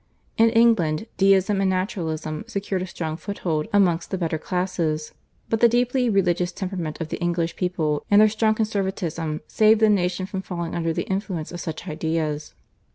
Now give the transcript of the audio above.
In England Deism and Naturalism secured a strong foot hold amongst the better classes, but the deeply religious temperament of the English people and their strong conservatism saved the nation from falling under the influence of such ideas.